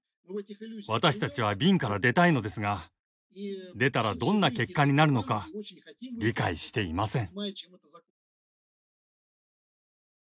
私たちは瓶から出たいのですが出たらどんな結果になるのか理解していません。